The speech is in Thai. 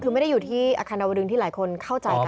คือไม่ได้อยู่ที่อาคารนวดึงที่หลายคนเข้าใจกัน